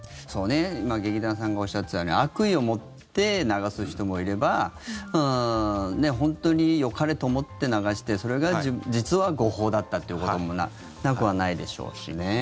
今、劇団さんがおっしゃってたように悪意を持って流す人もいれば本当によかれと思って流してそれが実は誤報だったということもなくはないでしょうしね。